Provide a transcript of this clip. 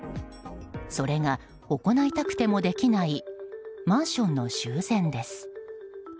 それが行いたくてもできないマンションの修繕です。